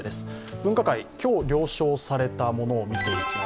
分科会、今日、了承されたものを見ていきます。